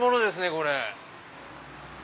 これ。